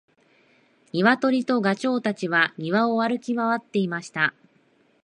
ニワトリとガチョウたちは庭を歩き回っていました。